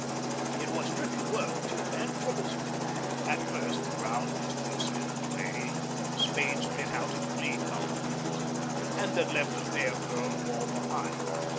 It was tricky work, too, and troublesome. At first the ground was good stiff clay that the spades bit out in clean mouthfuls, and that left a fair firm wall behind.